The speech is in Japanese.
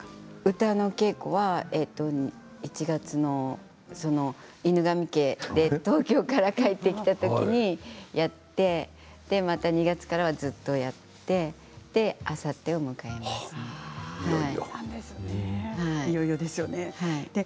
歌の稽古は１月の「犬神家」で東京から帰ってきた時にやってまた２月からはずっとやっていよいよですね。